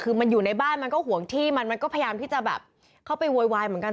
คือมันอยู่ในบ้านมันก็ห่วงที่มันมันก็พยายามที่จะแบบเข้าไปโวยวายเหมือนกัน